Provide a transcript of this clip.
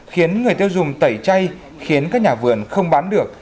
khiến người tiêu dùng tẩy chay khiến các nhà vườn không bán được